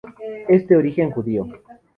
Es de origen judío.